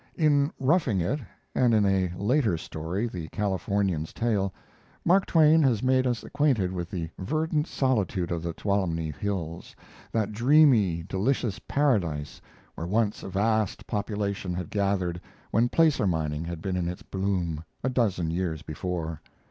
In 'Roughing It', and in a later story, "The Californian's Tale," Mark Twain has made us acquainted with the verdant solitude of the Tuolumne hills, that dreamy, delicious paradise where once a vast population had gathered when placer mining had been in its bloom, a dozen years before.